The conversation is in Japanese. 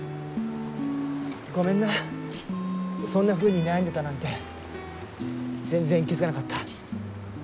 ごめんなそんなふうに悩んでたなんて全然気付かなかった。